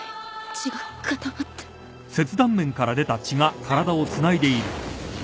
血が固まってあっ。